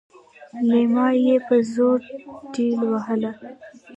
ليلما يې په زوره ټېلوهله.